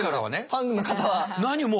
ファンの方は。